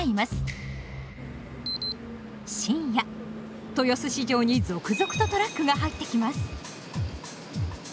深夜豊洲市場に続々とトラックが入ってきます。